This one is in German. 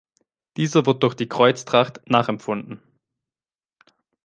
Dieser wird durch die Kreuztracht nachempfunden.